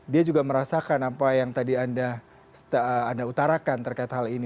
dia juga merasakan apa yang tadi anda utarakan terkait hal ini